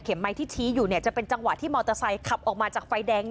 ไม้ที่ชี้อยู่เนี่ยจะเป็นจังหวะที่มอเตอร์ไซค์ขับออกมาจากไฟแดง